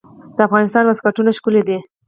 د افغانستان واسکټونه ښکلي دي